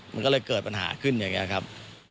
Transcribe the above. มันก็เลยเกิดปัญหาขึ้นอย่างนี้ครับ